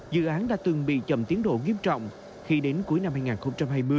dự án đã từng bị chậm tiến độ nghiêm trọng khi đến cuối năm hai nghìn hai mươi mới chỉ đạt năm tiến độ